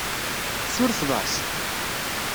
Tsurfeḍ-as?